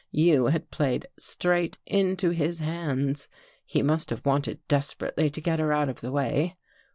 You had played straight into his hands. He must have wanted desperately to get her out of the way.